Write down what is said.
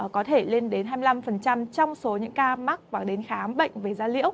có thể lên đến hai mươi năm trong số những ca mắc và đến khám bệnh về da lĩa